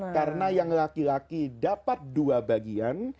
karena yang laki laki dapat dua bagian